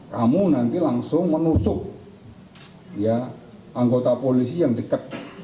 kamu nanti langsung menusuk anggota polisi yang dekat